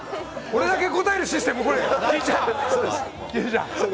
俺だけ答えるシステム？